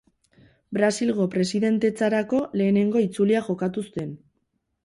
Brasilgo presidentetzarako lehenengo itzulia jokatu zen.